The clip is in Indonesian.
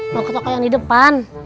mau ke toko yang di depan